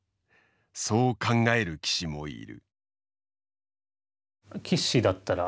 そう考える棋士もいる。